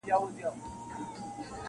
• چي لېوه دی که ګیدړ خدای په خبر دی -